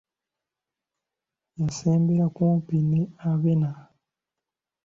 Yasembera kumpi ne Abena.